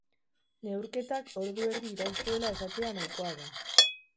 Neurketak ordu erdi iraun zuela esatea nahikoa da.